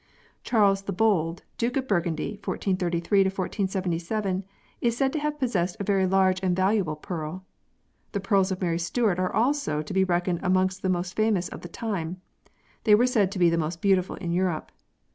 Charles the Bold, Duke of Burgundy 14331477, is said to have possessed a very large and valuable pearl. The pearls of Mary Stuart are also to be reckoned amongst the most famous of the time. They were said to be the most beautiful in Europe.